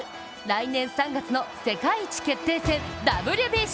来年３月の世界一決定戦、ＷＢＣ。